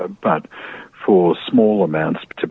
tapi untuk jumlah yang kecil